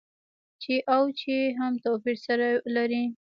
چې او چي هم توپير سره لري.